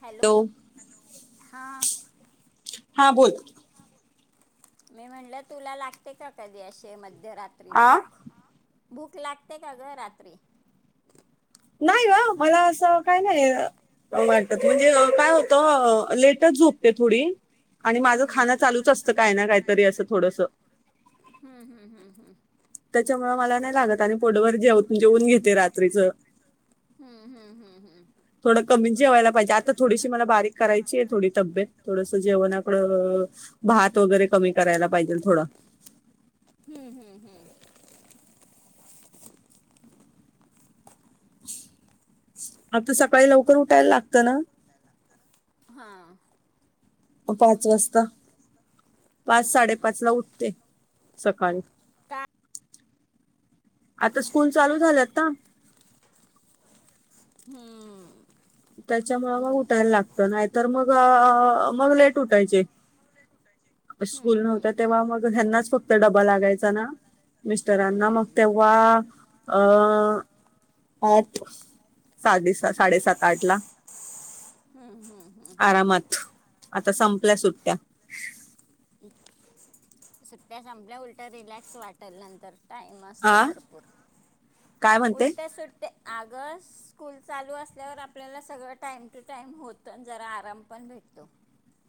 Hello हा हा बोल मी म्हणलं तुला लागते का कधी अे म मध्यरात्री आ भूक भूक लागते का ग रात्री नाही वा मला असं काय नाही वाटत म्हणजे काय होतं लेटच झोपते थोडी आणि माझं हम्म खाण चालूच असतं काय ना काहीतरी असं थोडस थोडंसं हम्म हम्म त्याच्यामु मला नाही लागत आणि पोटभर जेऊत जेऊन घेते रात्रीचं हम्म हम्म हम्म थोडं कमी जेवायला पाहिजे आता थोडीशी मला बारीक करायची आहे थोडी तब्येत थोडस जेवण आपण भात वगैरे कमी करायला पाहिजे थोडं हम् हम्म हम्म आता सकाळी लवकर उठायला लागतं ना हा पाच वाजता पाच हम्म साडेपाच ला उठते सकाळी का आता स्कूल चालू झालंत ना हम् त्याच्यामुळे मग उठायला लागत नाही तर मग मग लेट उठायचे स्कूल हम्म नव्हत हम्म तेव्हा मग ह्यांनाच फक्त ड्बा लागायचा ना मिस्टरांना मग तेव्हा अ पाठ साडे साडेसात काटला हम्म हम्म हम्म आता संपल्या सुट्ट्या सुट्या संपल्या उलट्या रिलॅक्स वाटेल नंतर टाईम असतो आ भरपूर काय म्हणते उलट्या सुटतेे आग स्कूल चालू असल्यावर आपल्याला सगळं टाईम टू टाईम होत आणि जरा आराम पण भेटतो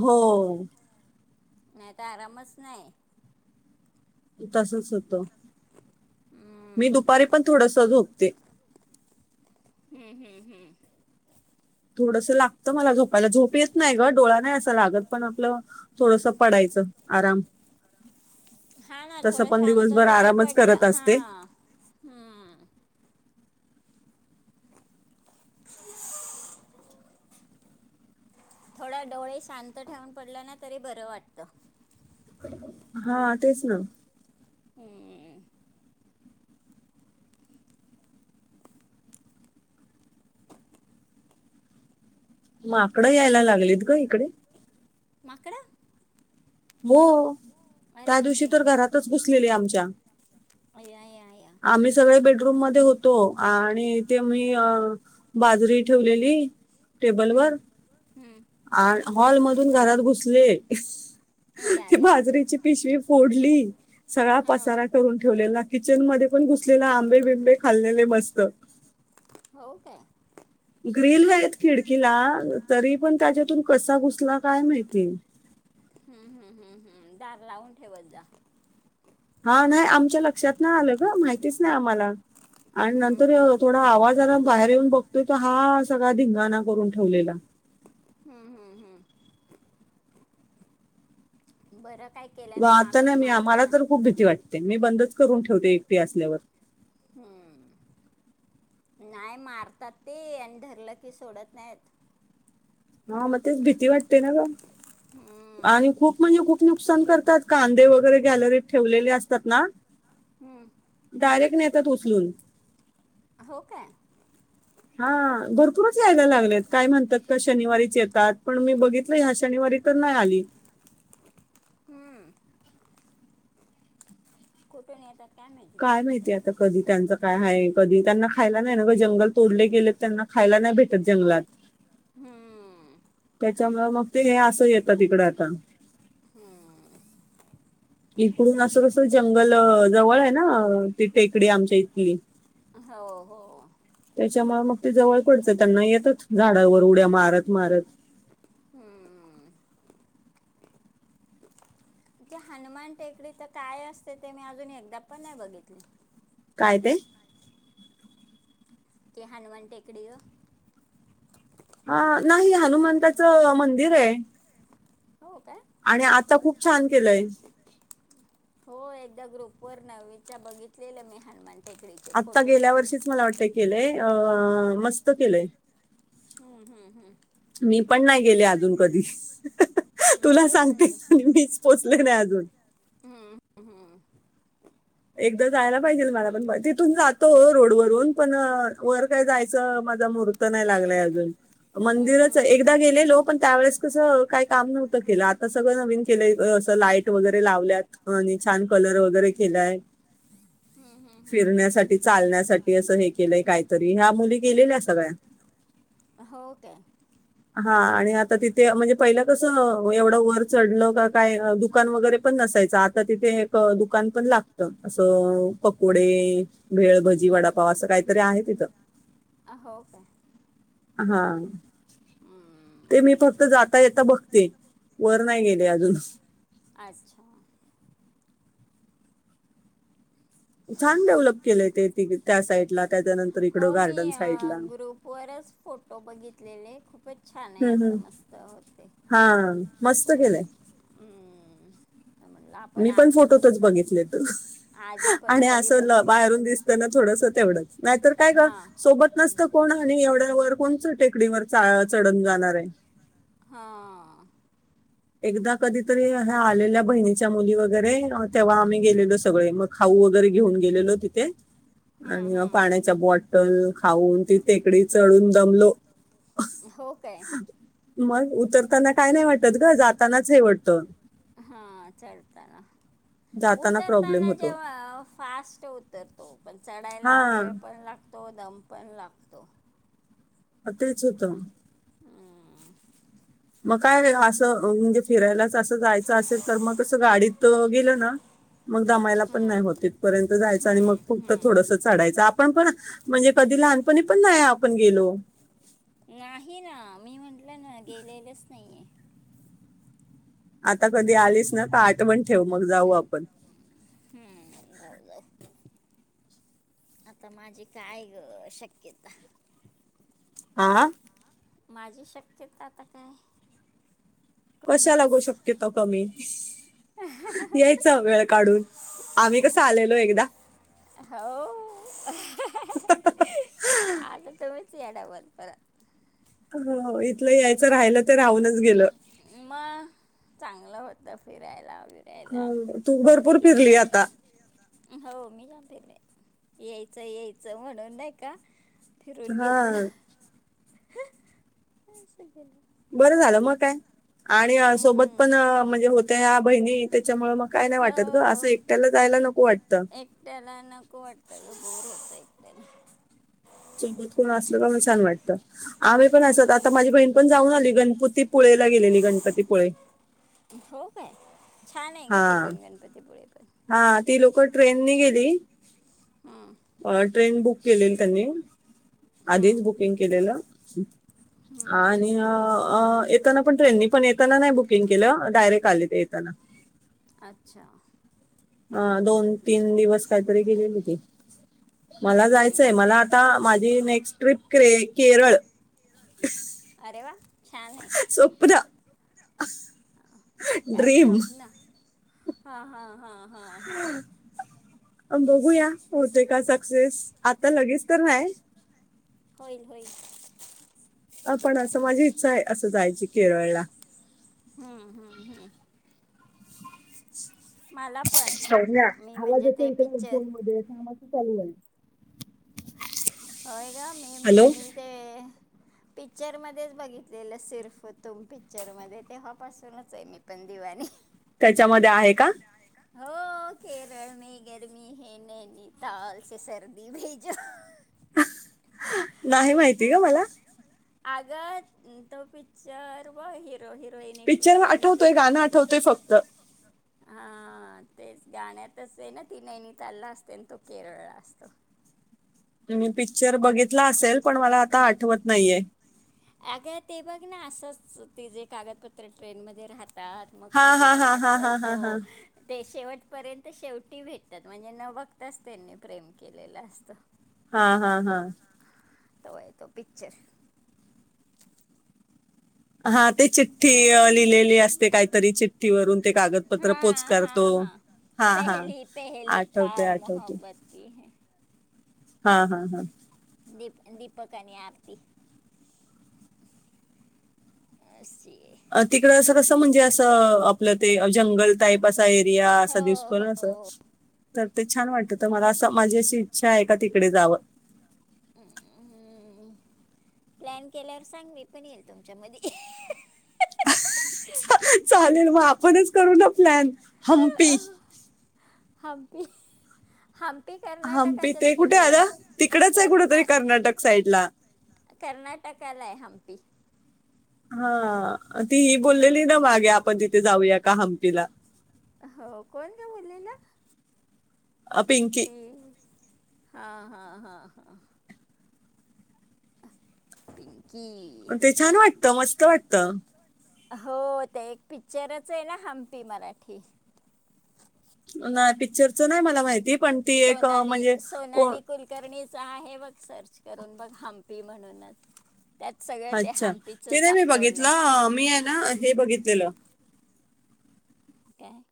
हो नाही तरता आरामच नाही तसच होतो मी हम्म दुपारी पण थोडस झूक ते हम्म हम्म हम्म थोडस लागतं मला झोपायला झोप येत नाही ग डोळा नाही असं लागत पण आपलं थोडस पडायचं आराम हा ना तसं थोडं पण शांत दिवसभर जरी आरामच पडलं करत हा असते हा‌ हम्म. थोडा डोळे शांत ठेवून पडला ना तरी बरं वाटत. हा तेच ना.. हम्मम. माकडं यायला लागलेत ग इकडे. माकडं? [unintelligible] त्या दिवशी बापरे तर घरातच बसलेली आमच्या या या या आम्ही सगळे बेडरुम. रूम मध्ये होतो आणि, ते मी बाजरी ठेवलेली. टेबल हम्म वर हम्म हॉल आणि मधून घरात घुसतात. [unintelligible] या ते या बाजरीची पिशवी फोडली सगळा हां पसारा करून ठेवलेला किचन मध्ये पण. आपण घुसलेले आंबे बिंबे खाल्लेले मस्त. हो काय.. ग्रिल आहेत खिडकीला तरी पण त्याच्यातून कसा घुसला काय माहिती. हम्म हम्म हम्म हम्म दिर लावून ठेवत का. हा नाही आमच्या लक्षात नाही आलं, ग माहितीच नाही आम्हाला.. आणि हम्म नंतर हम्म थोडा आवाज आला. बाहेर येऊन बघतोय त हा सगळा धिंगाणा करून ठेवलेला. हम्म हम्म हम्म. [unintelligible] व आता नाही माकडं मी आम्हाला मारतात तर खूप भीती वाटते. मी बंदच करून ठेवते एकटी असल्यावर. हम्म नाही मारतात ते आणि धरलं की सोडत नाहीत. हा मग तेच भीती वाटते ना ग, हम्म आणि खूप म्हणजे खूप नुकसान करते. कांदे वगैरे गॅलरीत ठेवलेले असतात ना तर. हम्म‌. डायरेक्ट नेतात उचलून. हो काय? हा भरपूरच यायला लागलेत काय म्हणतात का शनिवारीच येतात पण मी बघितलं ह्या शनिवारी तर नाही आधी. हम्म. कुठून येतात? काय माहितीय आता कधी त्यांच काय आहे, कधी त्यांना खायला नाही ना का जंगल तोडले गेले,. त्यांना खायला नाही भेटत जंगलात हम्म. त्यामुळे मग ते हे असं येतात तिकड आता. हम्म. इकडून असं कसं जंगल जवळ आहे ना ती टेकडी आमच्या इथली. हो हो. त्याच्यामुळे मग ते जवळ पडतं त्यांना येतच झाडावर उड्या मारत मारत हम्म ते हनुमान टेकडी तर काय असते ते मी अजून एकदा पण नाही बघितली काय ते के हनुमान टेकडी हा नाही हनुमंताचं मंदिर आहे हो काय आणि आता खूप छान केलंय हो एकदा ग्रुप वर नव् त्या बघितलेलं मी हनुमान टेकडीचे आता फोटो गेल्या वर्षीच मला वाटतय केलंय मस्त केलंय हम्म हम्म हम्म मी पण नाही गेले अजून कधी मग तुला तेच म्हणते सांगतेस मीच पोचले नाही अजून हम्म हम्म एकदा जायला पाहिजे मला पण तिथून जातो रोडवररून पण वर काय जायचं माझा मुहूर्त नाही लागलाय अजून हम्म हम्म मंदिरच एकदा गेलेलो पण त्यावेळेस कसं काही काम नव्हतं केलं आता सगळं नवीन केलंय असं लाईट वगैरे लावल्यात आणि छान कलर वगैरे केलाय हम्म हम्म हम्म हम्म फिरण्यासाठी चालण्यासाठी असं हे केलंय काय तरी ह्या मुली गेलेल्या सगळ्या हो ते हा आणि आता तिथे म्हणजे पहिला कसं एवढं वर चढलं का काय दुकान वगैरे पण नसायचं आता तिथे एक दुकान पण लागत असं पकोडे भेळ भजी वडापाव असं काय? तरी आहे तिथं. अ हो काय. हा. ते हम्म मी फक्त जात आता येता बघते वर नाही गेले अजून अच्छा. छान डेव्हलप केलेय ते त त्या साईड ला. हो मी ग्रुप वरच फो ो बघितलेले खूप पण छान आहे हम्म हम्म. असं मस्त होते हा मस्त हो. केलंय तर म्हणलं आपण मी पण आधीचच फोटोतच बघितले त आधी पण आणि अस कधी बघितलं बाहेरून दिसताना थोडस तेवढंच नाहीतर काय कर हां. सोबत हं. नसतं कोण आणि एवढ्या वर कोण? आकडीवर चढून जाणार आहे. [inaudible] हा. एकदा कधीतरी्या आलेल्या बहिणी च्या मुली वगैरे तेव्हा आम्ही गेलेलो सगळे मग खाऊ वगैरे घेऊन गेलेलो तिथे. हं, आणि म हं, हं, पाण्याच्या हं. बॉटल खाऊन तिकडे. टेकडी चढून दमलो. हो काय? मग उतरताना काय नाही वाटल. जातानाच हे वाटत. हम्म चढताना. जाताना प्रॉब्लेम उतरताना होतो जेव्हा फास्ट उतरतो पण हा चढायला वेळ पण लागतो. दम पण लागतो. ह तेच होतं. [inaudible] मग काय वेगळं असं म्हणजे फिरायलाच असं. जायचं असेल तर मग कसं गाडीत गेल ना. [inaudible] मग दमायला पण नाही हं, होत इथपर्यंत जायचं आणि मग हं, फक्त हं. थोडस चढायचं आपण पण म्हणजे कधी लहानपणी पण नाही आपण गेलो. नाही ना मी म्हटलं ना गेलेलंच नाहीये आता कधी आलीच ना का आठवण ठेव मग जाऊ आपण हम्म जाऊ जाऊ आता माझी काय ग शक्यता आा माझी शक्यता आता काय कशा लागू मीच शक्यता कमी ह हो आम्ही कसं आलेलो एकदा आता तब्येत एवढ्या वरपर्यंत हो इथलं यायचं राहिलं ते राहूनच गेलं मग चांगलं होत फिरायला बिरायला ह तू भरपूर फिरली किती आता हो मी जाते बाई यायचं यायचं म्हणून नाही का फिरून घेतलं हा सक ना बरं झालं मग काय आणि सोबत हम्म, पण म्हणजे होत्या या बहिणी त्याच्यामुळ मग काय नाही वाटत ग असं हो एकट्याला जायला नको वाटत एकट्याला नको वाटतं बोर होतं एकट्याला सोबत कोण असल का मला छान वाटतं आम्ही पण असत आता माझी बहीण पण जाऊन आली गण होती पुळेला गेलेली गणपतीपुळे हो काय छान आहे का हा ते पण गणपतीपुळे पण हा ती लोकं ट्रेननी गेली हम्म, अ ट्रेन बुक केलेली त्यांनी हम्म, आधीच बुकिंग केलेलं ह हा हम्म. आणि अ अ येताना पण ट्रेननी पण येताना नाही बुकिंग केलं डायरेक्ट आली ते येताना अच्छा अ दोन तीन दिवस काहीतरी गेलेलेकिती मला हम्म. जायचंय मला आता माझी नेक्स्ट ट्रिप क्रे केरळ अरे वा छान आहे सोप्पदा काय ड्रीम स्वप्न हा हा हा हा हा बघूया होते का सक्सेस आता लगेच तर नाही होईल होईल अ पण असं माझी इच्छा आहे असं जायची केरळला हम्म हम्म हम्म मला पण ना मी म्हणजे आवाजेतो ते पिक्चर इकडं मध्ये चालूये होय का मी मी ते पिक्चर मध्येच बघितलेलं सिर्फ तुम पिक्चर मध्ये तेव्हापासूनच आहे मी पण दिवानी त्याच्यामध्ये आहे का हो केरळ मे गर्मी है नैनीताल से सर्दी म भेजो नाही माहिती गं मला अगं तो पिक्चर व हिरो हिरोईन पिक्चर एकमेकांना ब आठवतोय गाणं आठवतोय फक्त हा तेच गाण्यातच आहे ना ती नैनितालला असते न तो केरळला असतो तुम्ही पिक्चर बघितला असेल पण मला आता आठवत नाहीये अगं ते बघ ना असंच ते जे कागदपत्र ट्रेन मध्ये राहत रानात मग हा तो हा तिला हा हा हा हा हा पाठवतो शेवटपर्यंत शेवटी भेटतात म्हणजे न बघताच त्यांनी प्रेम केलेलं असतं हा हा हा तवाय तो पिकच्चर हा ते चिठ्ठी लिहिलेली असते काहीतरी चिठ्ठीवरून ते कागदपत्र पोच हां करतो हां हां हा हा पेहली पेहली आठवते बार आठवते मोहब्बत की है हा हा हा दीप दीपक आणि आरती अस. अ तिकड अस कसं म्हणजे असं आपलं ते. जंगल टाईप असा एरिया हो असा दिसतो ना अस. हो तर ते छान वाटत तर मला असं माझी अशी इच्छा आहे का तिकडे जावं. म् हम्म प्लॅन केल्यावर सांग म पण येईल तुमच्या मदी. चालेल म आपणच करू ना प्लॅन. हंपी. हबी. हंपी ते कुठे आध तिकडच आहे कुठ तरी कर्नाटक साईड ला. कर्नाटकालाय हम्पी. हा. ती ही हं. बोललेली ना मागे आपण तिथ. ते जाऊया का हंपीला? हो कोण का बोललेला? अ, पिंकी ते. हा हा हा हा. पिं की. त मस्त वाटत. हो ते एक पिकच्चरच आहे ना हंपी मराठी नाही पिक्चरच नाही मला माहिती पण ती एक अ, सोनाली म्हणजे कोण सोनाली कुलकर्णी चा आहे बघ सर्च करून बघ हंपी म्हणूनच. त्यात सगळं ते अच्छा हम्पीचं तेने मी दाखवलंय बघितलं मी आहे ना हे बघितलेलं काय?